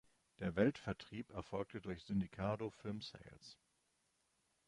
Der Weltvertrieb erfolgte durch "Syndicado Film Sales".